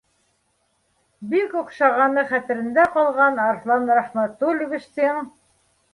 Бик оҡшағаны хәтерендә ҡалған Арыҫлан Рәхмәтулловичтың